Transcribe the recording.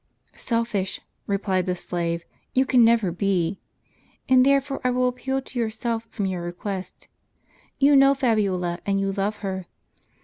" Selfish," replied the slave, " you can never be. And therefore I will appeal to yourself from your request. You know Fabiola, and you love her.